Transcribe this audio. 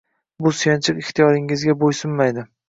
Bu suyanchiq ixtiyoringizga bo’ysunmaydi.